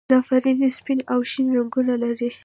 زعفراني سپین او شین رنګونه لري.